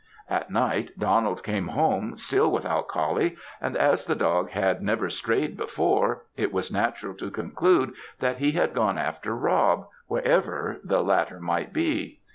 At night, Donald came home, still without Coullie; and as the dog had never strayed before, it was natural to conclude that he had gone after Rob, wherever the latter might be.